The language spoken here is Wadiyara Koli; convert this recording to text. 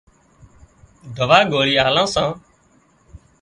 دوا ڳوۯِي آلان سان